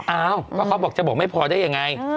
อ้าวก็เขาบอกจะบอกไม่พอได้ยังไง